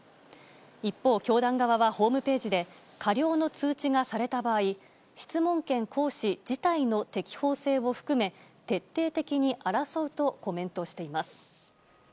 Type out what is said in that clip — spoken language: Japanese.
一方、教団側はホームページで過料の通知がされた場合質問権行使自体の適法性を含め徹底的に争うとコメントしています。